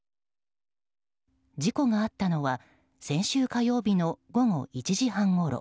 事故があったのは先週火曜日の午後１時半ごろ。